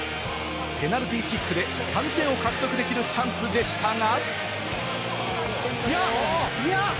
ペナルティーキックで３点を獲得できるチャンスでしたが。